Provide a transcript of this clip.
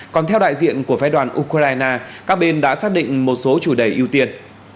còn theo đại diện của phái đoàn ukraine các bên đã xác định một số chủ đề ưu tiên